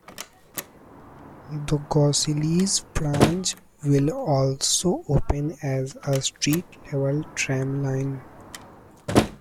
The Gosselies branch will also open as a street-level tramline.